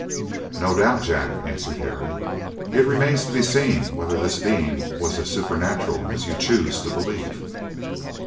"No doubt, Jack," answered Harry. "It remains to be seen whether this being was as supernatural as you choose to believe."